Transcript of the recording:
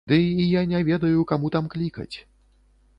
Ды і я не ведаю, каму там клікаць.